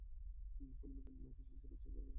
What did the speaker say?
কোন বিজ্ঞানী মাইটোসিসকে পাঁচটি ধাপে ভাগ করেন?